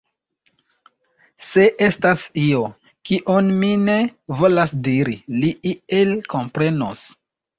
Se estas io, kion mi ne volas diri, li iel komprenos.